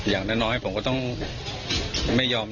อย่างน้อยก็จะไม่ยอม